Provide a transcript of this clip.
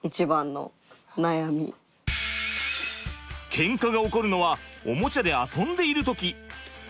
ケンカが起こるのはおもちゃで遊んでいる時。